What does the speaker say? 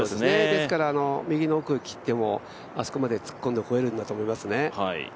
ですから右の奥に切ってもあそこまで突っ込んでいけるんだと思いますね。